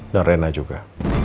dan rena juga